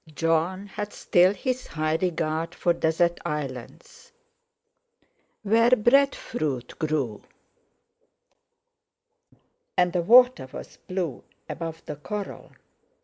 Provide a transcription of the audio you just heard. Jon had still his high regard for desert islands, where breadfruit grew, and the water was blue above the coral.